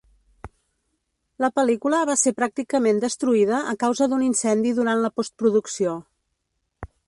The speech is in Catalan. La pel·lícula va ser pràcticament destruïda a causa d'un incendi durant la postproducció.